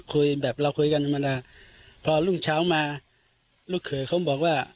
คุยแบบเราคุยกันธรรมดาพอรุ่งเช้ามาลูกเขยเขาบอกว่า